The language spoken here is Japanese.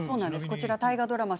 こちら大河ドラマ